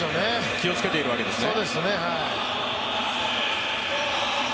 気を付けているわけですね。